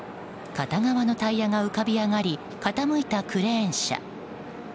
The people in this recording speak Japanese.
片側のタイヤが浮かび上がり傾いたクレーン車。